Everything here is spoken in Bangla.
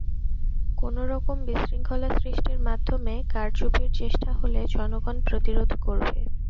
কোনো রকম বিশৃঙ্খলা সৃষ্টির মাধ্যমে কারচুপির চেষ্টা হলে জনগণ প্রতিরোধ করবে।